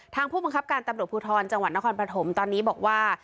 ผู้บังคับการตำรวจภูทรจังหวัดนครปฐมตอนนี้บอกว่า